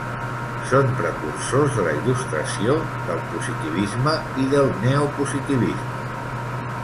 Són precursors de la il·lustració, del positivisme i del neopositivisme.